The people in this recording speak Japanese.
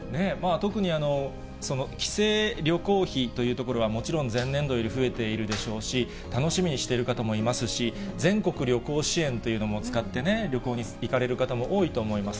特に帰省・旅行費というところは、もちろん前年度より増えているでしょうし、楽しみにしている方もいますし、全国旅行支援というのも使ってね、旅行に行かれる方も多いと思います。